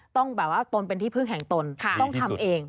ต้องแบบว่าตนเป็นที่พึ่งแห่งตนต้องทำเอง